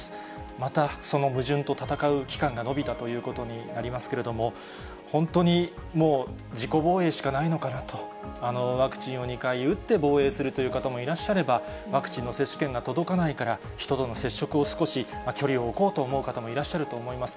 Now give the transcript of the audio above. またその矛盾と戦う期間が延びたということになりますけれども、本当にもう自己防衛しかないのかなと、ワクチンを２回打って防衛するという方もいらっしゃれば、ワクチンの接種券が届かないから、人との接触を少し距離を置こうという方もいらっしゃると思います。